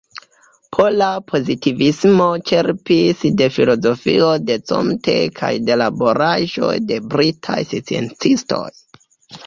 Pola pozitivismo ĉerpis de filozofio de Comte kaj de laboraĵoj de britaj sciencistoj.